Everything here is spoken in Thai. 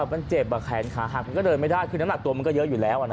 มันเจ็บแขนขาหักมันก็เดินไม่ได้คือน้ำหนักตัวมันก็เยอะอยู่แล้ว